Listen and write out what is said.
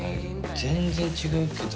全然違うけど。